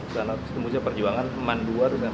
karena tembusnya perjuangan keman dua terus smp sebelas